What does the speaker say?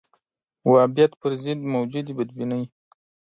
وهابیت پر ضد موجودې بدبینۍ